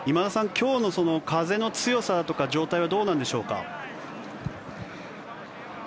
今日の風の強さだとか状態はどうなんでしょうか。